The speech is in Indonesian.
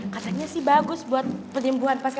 kasutnya sih bagus buat penyembuhan pasca pasca